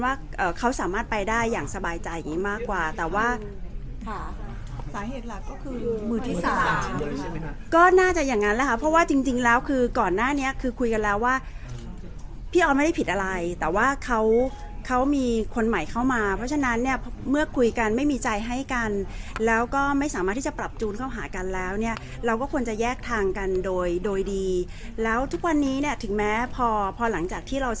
เด็กหลักก็คือมือที่๓ก็น่าจะอย่างนั้นนะคะเพราะว่าจริงแล้วคือก่อนหน้านี้คือคุยกันแล้วว่าพี่ออนไม่ได้ผิดอะไรแต่ว่าเขาเขามีคนใหม่เข้ามาเพราะฉะนั้นเนี่ยเมื่อคุยกันไม่มีใจให้กันแล้วก็ไม่สามารถที่จะปรับจูนเข้าหากันแล้วเนี่ยเราก็ควรจะแยกทางกันโดยโดยดีแล้วทุกวันนี้เนี่ยถึงแม้พอพอหลังจ